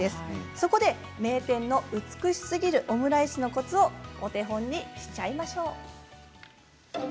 そこで名店の美しすぎるオムライスのコツをお手本にしちゃいましょう。